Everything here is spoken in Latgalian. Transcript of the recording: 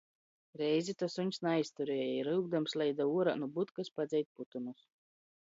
Reizi to suņs naizturēja i ryukdams leida uorā nu butkys padzeit putynus.